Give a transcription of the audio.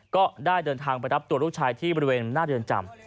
ก็ได้เดินทางไปรับตัวลูกชายที่บริเวณหน้าเรือนจำ